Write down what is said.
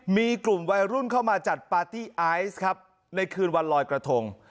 มีกลุ่มวัยรุ่นเข้ามาจัดปาร์ตี้ไอซ์ครับในคืนวันลอยกระทง